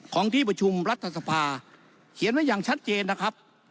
ของที่ประชุมรัฐสภาเขียนไว้อย่างชัดเจนนะครับ